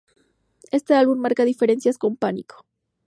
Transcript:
Este álbum marca diferencias con "Pánico".